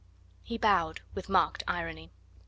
He bowed with marked irony.